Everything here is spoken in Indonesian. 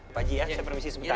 pak ji ya saya permisi sebentar